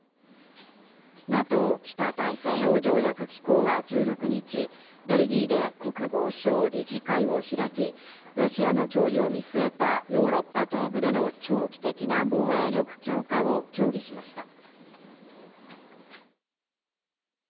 ＮＡＴＯ＝北大西洋条約機構は１６日、ベルギーで国防相理事会を開き、ロシアの脅威を見据えたヨーロッパ東部での長期的な防衛力強化を協議しました。